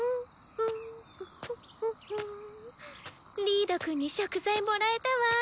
リードくんに食材もらえたわ。